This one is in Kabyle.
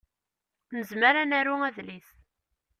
Nezmer ad naru adlis.